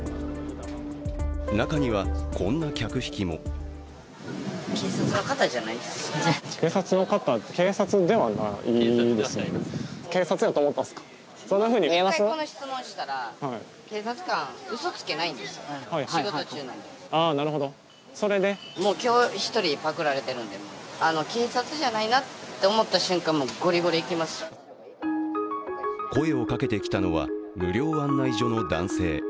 中には、こんな客引きも声をかけてきたのは、無料案内所の男性。